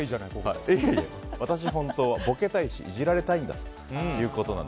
私、本当はボケたいしイジられたいんだと。